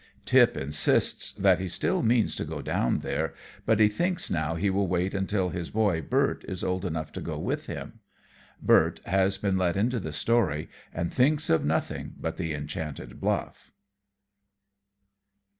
Tip insists that he still means to go down there, but he thinks now he will wait until his boy, Bert, is old enough to go with him. Bert has been let into the story, and thinks of nothing but the Enchanted Bluff.